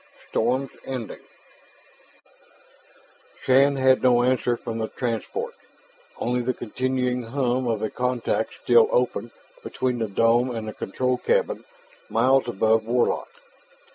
STORM'S ENDING Shann had no answer from the transport, only the continuing hum of a contact still open between the dome and the control cabin miles above Warlock.